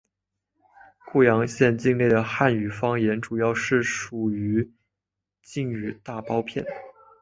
固阳县境内的汉语方言主要属于晋语大包片。